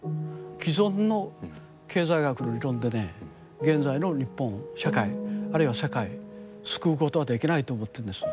既存の経済学の理論でね現在の日本社会あるいは世界救うことはできないと思ってるんです。